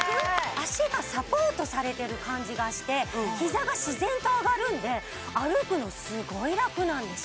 脚がサポートされてる感じがして膝が自然と上がるんで歩くのすごいラクなんです